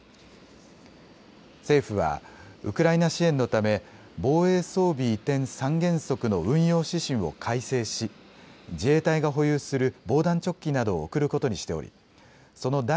政府はウクライナ支援のため防衛装備移転三原則の運用指針を改正し自衛隊が保有する防弾チョッキなどを送ることにしておりその